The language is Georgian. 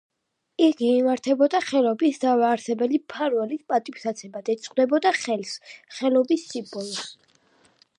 იგი იმართებოდა ხელობის დამაარსებელი მფარველის პატივსაცემად, ეძღვნებოდა ხელს, ხელობის სიმბოლოს.